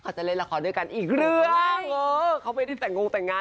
จะเล่นละครด้วยกันอีกเรื่องเออเขาไม่ได้แต่งงแต่งงาน